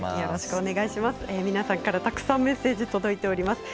皆さんからたくさんメッセージ届いています。